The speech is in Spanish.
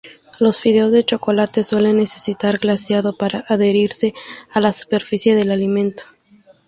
Los fideos de chocolate suelen necesitar glaseado para adherirse a la superficie del alimento.